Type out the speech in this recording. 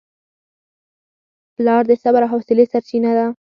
پلار د صبر او حوصلې سرچینه ده.